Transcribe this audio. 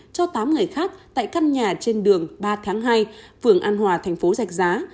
cho tám người khác tại căn nhà trên đường ba tháng hai phường an hòa thành phố giạch giá